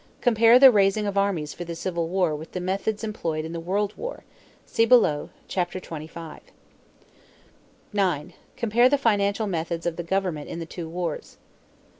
Compare the raising of armies for the Civil War with the methods employed in the World War. (See below, chapter XXV.) 9. Compare the financial methods of the government in the two wars.